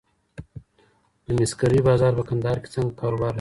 د مسګرۍ بازار په کندهار کي څنګه کاروبار لري؟